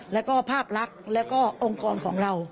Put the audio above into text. แล้วก็ภาพลักษณ์แล้วก็องค์กรของเรา